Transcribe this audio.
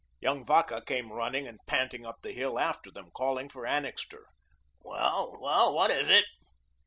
Young Vacca came running and panting up the hill after them, calling for Annixter. "Well, well, what is it?"